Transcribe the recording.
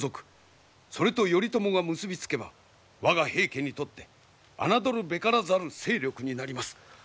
それと頼朝が結び付けば我が平家にとって侮るべからざる勢力になります。